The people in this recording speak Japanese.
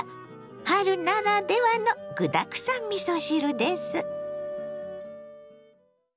春ならではの具だくさんみそ汁です。